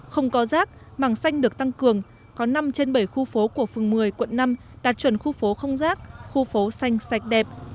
không có rác màng xanh được tăng cường có năm trên bảy khu phố của phường một mươi quận năm đạt chuẩn khu phố không rác khu phố xanh sạch đẹp